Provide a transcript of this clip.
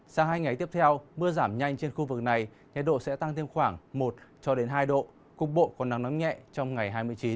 sang hai ngày tiếp theo mưa giảm nhanh trên khu vực này nhiệt độ sẽ tăng thêm khoảng một cho đến hai độ cục bộ có nắng nóng nhẹ trong ngày hai mươi chín